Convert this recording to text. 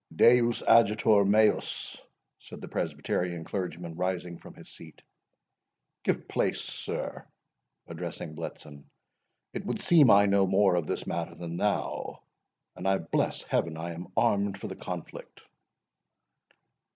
"Deus adjutor meus!" said the Presbyterian clergyman, rising from his seat. "Give place, sir," addressing Bletson; "it would seem I know more of this matter than thou, and I bless Heaven I am armed for the conflict."